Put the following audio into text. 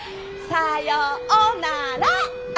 さよおなら！